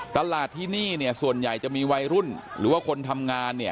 ตลาดที่นี่ส่วนใหญ่จะมีวัยรุ่นหรือว่าคนทำงาน